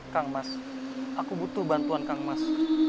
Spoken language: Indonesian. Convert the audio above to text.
kang mas aku butuh bantuan kang mas